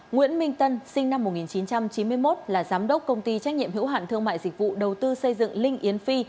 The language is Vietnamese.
nguyễn minh tân sinh năm một nghìn chín trăm chín mươi một là giám đốc công ty trách nhiệm hữu hạn thương mại dịch vụ đầu tư xây dựng linh yến phi